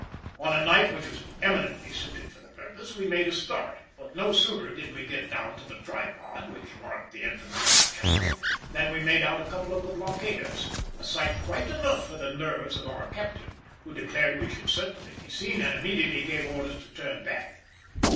On a night which was eminently suited for the purpose we made a start, but no sooner did we get down to the Tripod, which marked the entrance to the channel, than we made out a couple of the blockaders—a sight quite enough for the nerves of our captain, who declared we should certainly be seen and immediately gave orders to turn back.